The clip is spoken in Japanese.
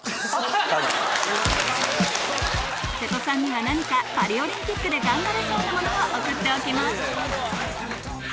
瀬戸さんには何かパリオリンピックで頑張れそうなものを送っておきます